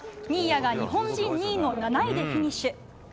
新谷が日本人２位の７位でフィニッシュ。